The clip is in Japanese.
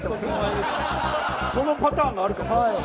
そのパターンもあるかも。